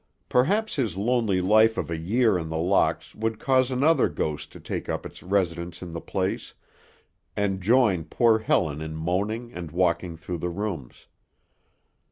Perhaps his lonely life of a year in The Locks would cause another ghost to take up its residence in the place, and join poor Helen in moaning and walking through the rooms.